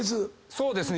そうですね。